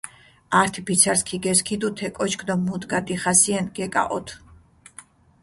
ართი ფიცარს ქიგესქიდუ თე კოჩქ დო მუდგა დიხასიენ გეკაჸოთჷ.